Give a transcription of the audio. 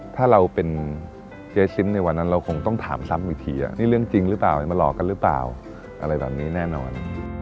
ถ้าเราเป็นเจ๊ชิมในวันนั้นเราคงต้องถามซ้ำอีกทีนี่เรื่องจริงหรือเปล่ามาหลอกกันหรือเปล่าอะไรแบบนี้แน่นอน